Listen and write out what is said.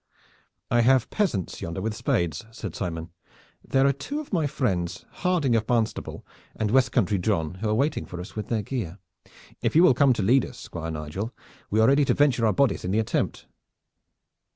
"I have peasants yonder with spades," said Simon. "There are two of my friends, Harding of Barnstable and West country John who are waiting for us with their gear. If you will come to lead us, Squire Nigel, we are ready to venture our bodies in the attempt."